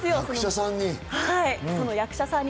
役者さんに。